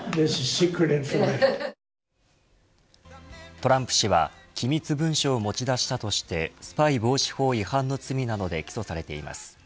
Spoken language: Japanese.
トランプ氏は機密文書を持ち出したとしてスパイ防止法違反の罪などで起訴されています。